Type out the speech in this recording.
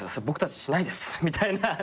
僕たちしないですみたいな。